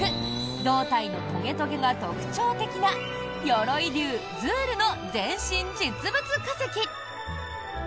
胴体のトゲトゲが特徴的な鎧竜ズールの全身実物化石。